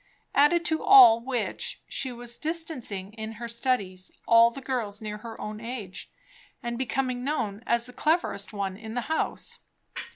Added to all which, she was distancing in her studies all the girls near her own age, and becoming known as the cleverest one in the house.